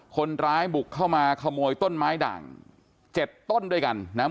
คนร้ายบุกเข้ามาขโมยต้นไม้ด่าง๗ต้นด้วยกันนะครับ